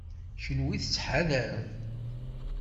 Kenwi tettḥadarem.